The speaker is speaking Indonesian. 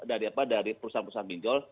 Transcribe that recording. dari perusahaan perusahaan pinjol